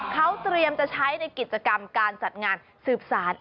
เขาเตรียมจะใช้ในกิจกรรมการจัดงานสืบสาร